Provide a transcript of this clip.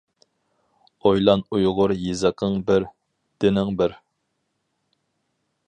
ئويلان ئۇيغۇر يېزىقىڭ بىر، دىنىڭ بىر.